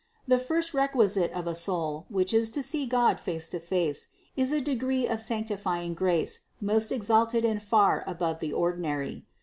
The first requisite of a soul, which is to see God face to face, is a degree of sanctifying grace most exalted and far above the ordinary.